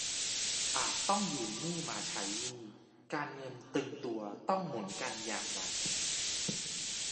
อาจต้องยืมหนี้มาใช้หนี้ การเงินตึงตัวต้องหมุนกันอย่างหนัก